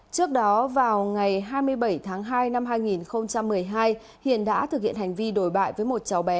trước đó vào ngày hai mươi bảy tháng hai năm hai nghìn một mươi hai hiền đã thực hiện hành vi đổi bại với một cháu bé